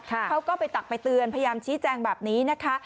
เขาก็ไปตักไปเตือนพยายามชี้แจงแบบนี้นะคะ